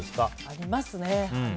ありますね。